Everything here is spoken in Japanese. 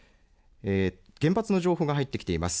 原発の情報が入ってきています。